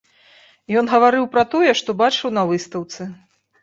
Ён гаварыў пра тое, што бачыў на выстаўцы.